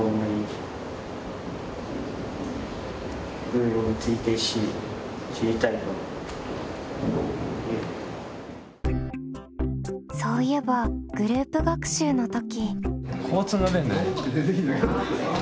かんき君のそういえばグループ学習の時。